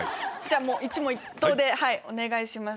１問１答でお願いします